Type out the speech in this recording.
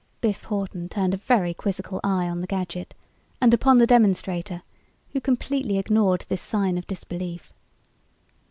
Biff Hawton turned a very quizzical eye on the gadget and upon the demonstrator who completely ignored this sign of disbelief.